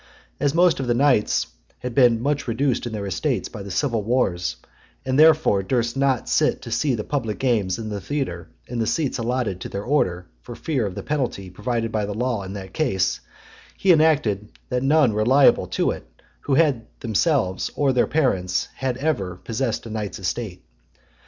As most of the knights had been much reduced in their estates by the civil wars, and therefore durst not sit to see the public games in the theatre in the seats allotted to their order, for fear of the penalty provided by the law in that case, he enacted, that none were liable to it, who had themselves, or whose parents had ever, possessed a knight's estate.